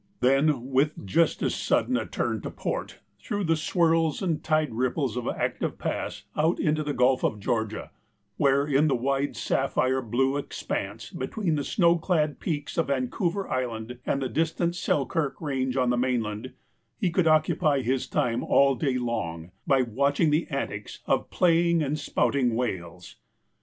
Then, with just as sudden a turn to port, through the swirls and tide rip ples of Active Pass out into the Gulf of Georgia, where in the wide sapi)hire blue expanse between the snow clad mountain peaks of Vancouver Island and the distant Sel kirk Range on the mainland, he could occupy his time all day long by watching the antics of playing and spout ing whales.